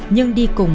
nhưng đi cùng